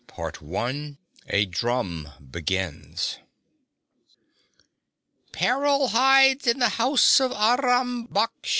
] 1 A Drum Begins 'Peril hides in the house of Aram Baksh!'